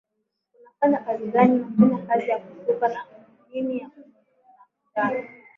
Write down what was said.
unafanya kazi gani nafanya kazi ya kusuka na na nini na kuchana